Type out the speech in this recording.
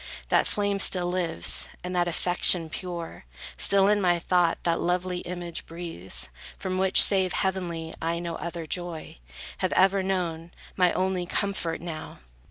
That flame still lives, and that affection pure; Still in my thought that lovely image breathes, From which, save heavenly, I no other joy, Have ever known; my only comfort, now!